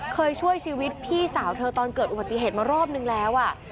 ช่วยชีวิตพี่สาวเธอตอนเกิดอุบัติเหตุมารอบนึงแล้ว